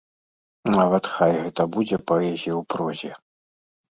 Нават хай гэта будзе паэзія ў прозе.